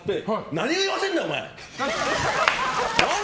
何を言わせんだ、お前！